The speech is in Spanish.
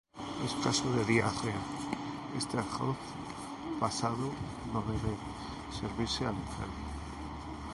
Es casos de diarrea este arroz pasado no debe servirse al enfermo.